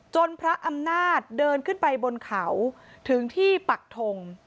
พระอำนาจเดินขึ้นไปบนเขาถึงที่ปักทง